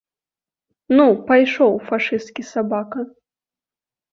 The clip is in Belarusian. Ну, пайшоў, фашысцкі сабака!